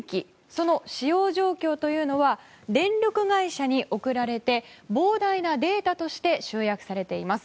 その使用状況というのは電力会社に送られて膨大なデータとして集約されています。